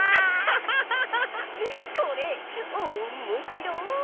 これおっもしろい！